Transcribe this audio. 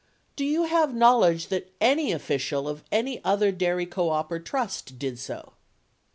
Do you have knowledge that any official of any other dairy co op or trust did so?